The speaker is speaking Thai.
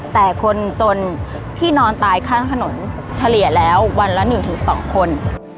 แต่คนจนที่นอนตายข้างถนนเฉลี่ยแล้ววันละ๑๒คน